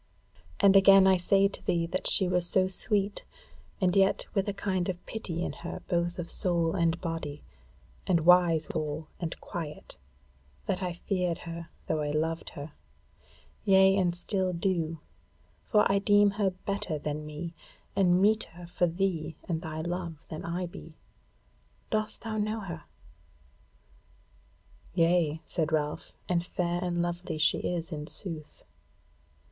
And again I say to thee that she was so sweet and yet with a kind of pity in her both of soul and body, and wise withal and quiet, that I feared her, though I loved her; yea and still do: for I deem her better than me, and meeter for thee and thy love than I be. Dost thou know her?" "Yea," said Ralph, "and fair and lovely she is in sooth.